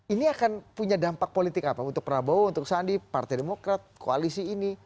ini akan punya dampak politik apa untuk prabowo untuk sandi partai demokrat koalisi ini